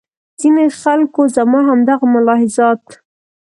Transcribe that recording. ځینې خلکو زما همدغه ملاحظات.